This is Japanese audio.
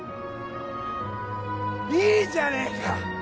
いいじゃねえか